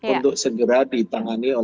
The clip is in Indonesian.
untuk segera ditangani